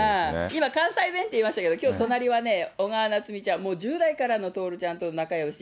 今、関西弁って言いましたけど、きょう、隣はね、小川菜摘ちゃん、もう１０代からの徹ちゃんと仲よし。